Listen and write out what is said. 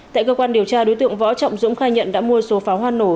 tại cơ quan điều tra đối tượng võ trọng dũng khai nhận đã mua số pháo hoa nổ